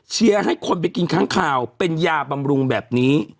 ให้คนไปกินค้างข่าวเป็นยาบำรุงแบบนี้